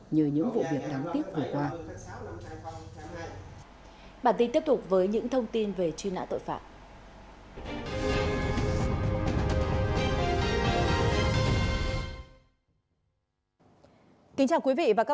như những vụ việc đáng tiếc vừa qua